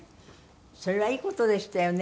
それはいい事でしたよねでもね。